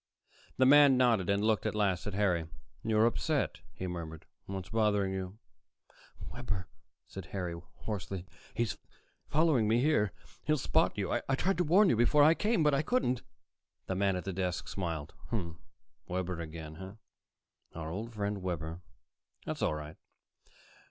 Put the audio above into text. The man nodded and looked at last at Harry. "You're upset," he murmured. "What's bothering you?" "Webber," said Harry hoarsely. "He's following me here. He'll spot you. I tried to warn you before I came, but I couldn't." The man at the desk smiled. "Webber again, eh? Our old friend Webber. That's all right.